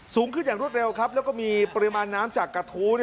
สูงขึ้นอย่างรวดเร็วครับแล้วก็มีปริมาณน้ำจากกระทู้